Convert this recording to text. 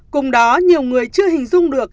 cùng đó nhiều người chưa hình dung được